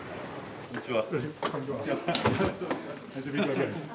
こんにちは。